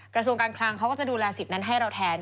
กระทรวงการคลังเขาก็จะดูแลสิทธิ์นั้นให้เราแทน